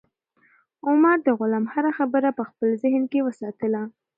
عمر د غلام هره خبره په خپل ذهن کې وساتله.